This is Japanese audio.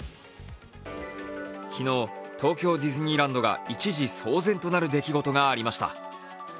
昨日、東京ディズニーランドが一時騒然となる出来事がありました。